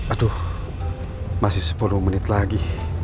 aduh masih sepuluh menit lagi